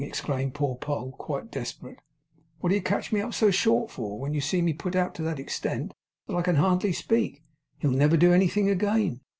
exclaimed poor Poll, quite desperate. 'What do you catch me up so short for, when you see me put out to that extent that I can hardly speak? He'll never do anything again.